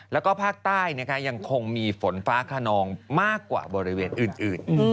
แล้วก็ภาคใต้ยังคงมีฝนฟ้าขนองมากกว่าบริเวณอื่น